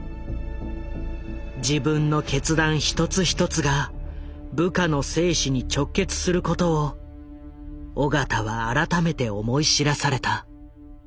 自分の決断一つ一つが部下の生死に直結することを緒方は改めて思い知らされた。